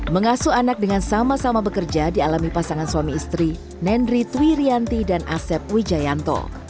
mengasuh anak dengan sama sama bekerja dialami pasangan suami istri nendri twi rianti dan asep wijayanto